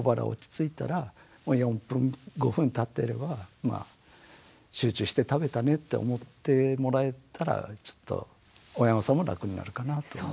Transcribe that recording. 落ち着いたら４分５分たってればまあ集中して食べたねって思ってもらえたらきっと親御さんも楽になるかなと。